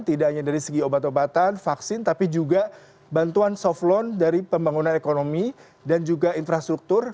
tidak hanya dari segi obat obatan vaksin tapi juga bantuan soft loan dari pembangunan ekonomi dan juga infrastruktur